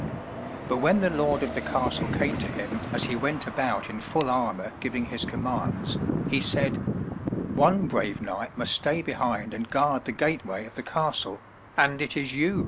But when the lord of the castle came to him as he went about in full armor giving his commands, he said: One brave knight must stay behind and guard the gateway of the castle, and it is you.